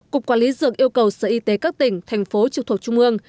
cục quản lý dược yêu cầu sở y tế các tỉnh thành phố trực thuộc trung ương